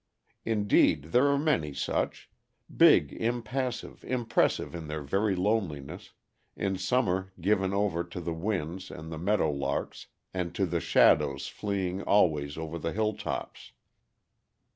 Indeed, there are many such big, impassive, impressive in their very loneliness, in summer given over to the winds and the meadow larks and to the shadows fleeing always over the hilltops.